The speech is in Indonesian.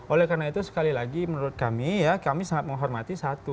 oleh karena itu sekali lagi menurut kami ya kami sangat menghormati satu